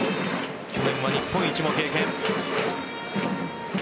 去年は日本一も経験。